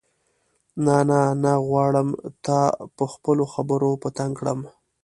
نه نه نه غواړم تا په خپلو خبرو په تنګ کړم.